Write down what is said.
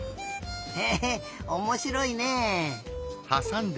へえおもしろいね。